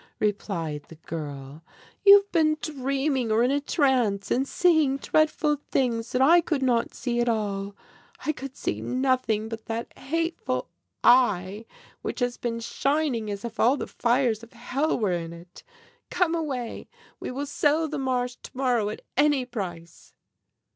replied the girl. "You have been dreaming or in a trance, and seeing dreadful things that I could not see at all! I could see nothing but that hateful 'Eye,' which has been shining as if all the fires of hell were in it. Come away! we will sell the Marsh to morrow at any price!"